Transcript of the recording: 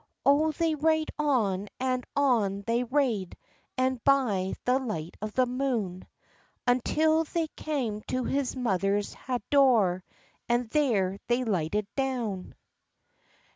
O they rade on, and on they rade, And a' by the light of the moon, Until they cam to his mother's ha' door, And there they lighted down.